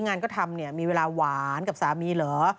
งานก็ทำมีเวลาหวานกับสามีหรือ